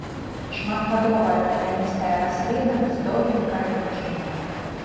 Шматгадовая травяністая расліна з доўгім карэнішчам.